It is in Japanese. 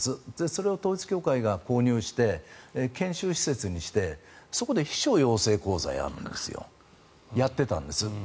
それを統一教会が購入して研修施設にしてそこで秘書養成講座をやるんですやっていたんです。